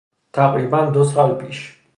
تقریبا دو سال پیش